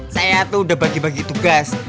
saya tuh udah bagi bagi tugas